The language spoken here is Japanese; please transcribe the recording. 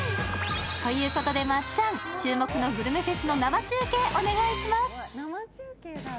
ということでまっちゃん、注目のグルメフェスの生中継、お願いします。